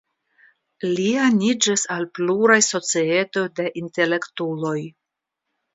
Li aniĝis al pluraj societoj de intelektuloj.